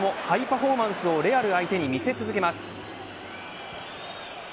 フォーマンスをレアル相手に見せ続けます。